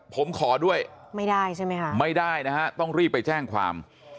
ผมขอด้วยไม่ได้ใช่ไหมคะไม่ได้นะฮะต้องรีบไปแจ้งความ